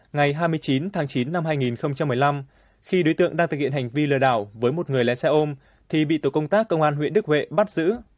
ngày hai mươi chín tháng chín năm hai nghìn một mươi năm khi đối tượng đang thực hiện hành vi lừa đảo với một người lái xe ôm thì bị tổ công tác công an huyện đức huệ bắt giữ